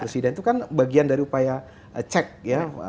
presiden itu kan bagian dari upaya cek ya